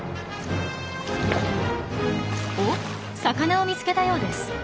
おっ魚を見つけたようです。